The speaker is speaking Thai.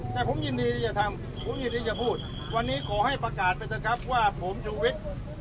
แต่ผมยินดีจะทำผมยินดีจะพูดวันนี้ขอให้ประกาศไปเถอะครับว่าผมชูวิทย์